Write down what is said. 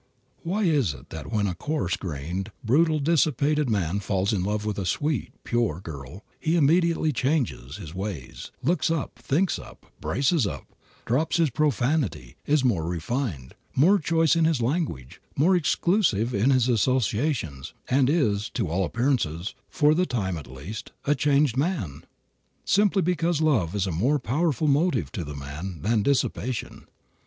Why is it that when a coarse grained, brutal, dissipated man falls in love with a sweet, pure girl he immediately changes his ways, looks up, thinks up, braces up, drops his profanity, is more refined, more choice in his language, more exclusive in his associations, and is, to all appearances, for the time at least, a changed man? Simply because love is a more powerful motive to the man than dissipation.